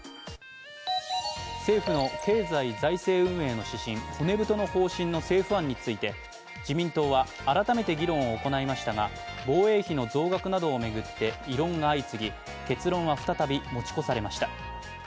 政府の経済財政運営の指針、骨太の方針の政府案について自民党は改めて議論を行いましたが、防衛費の増額などを巡って異論が相次ぎ、結論は再び持ち越されました。